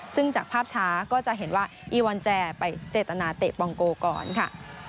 ซึ่งจากภาพช้าก็จะเห็นว่าอีวอนแจไปเจตนาเตะปองโกก่อนค่ะ